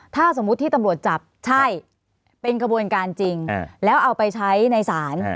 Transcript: ถ้าสมมุติที่ตำรวจจับใช่เป็นกระบวนการจริงแล้วเอาไปใช้ในศาล